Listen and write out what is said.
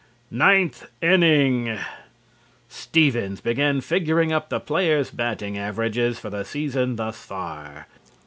NINTH INNING: Stevens began figuring up the players' batting averages for the season thus far.